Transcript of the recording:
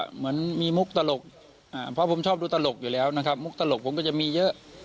เหมือนมีมุกตลกเพราะผมชอบดูตลกอยู่แล้วนะครับมุกตลกผมก็จะมีเยอะ